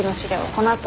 このあと。